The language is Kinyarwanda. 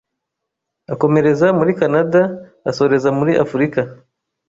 akomereza muri Canada asoreza muri Afurika